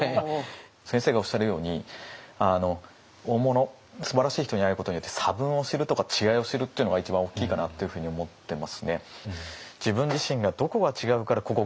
先生がおっしゃるように大物すばらしい人に会えることによって差分を知るとか違いを知るっていうのが一番大きいかなというふうに思ってますね。